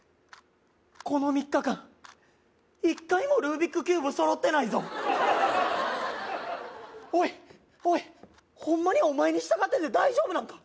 この３日間一回もルービックキューブ揃ってないぞおいおいホンマにお前に従ってて大丈夫なんか？